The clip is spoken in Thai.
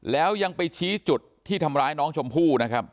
แล้วยังไปชี้จุดที่ทำร้ายน้องชมพู่นะครับ